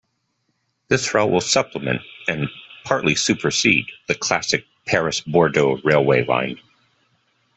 This route will supplement - and partly supersede - the classic Paris-Bordeaux railway line.